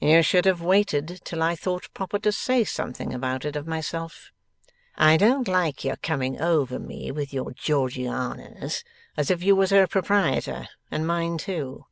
'You should have waited till I thought proper to say something about it of myself. I don't like your coming over me with your Georgianas, as if you was her proprietor and mine too.